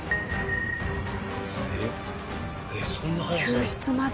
救出まで。